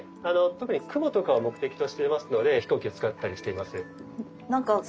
特に雲とかを目的としていますので飛行機を使ったりしています。